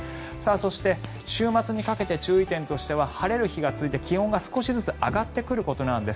そして、週末にかけて注意点としては晴れる日が続いて気温が少しずつ上がってくることなんです。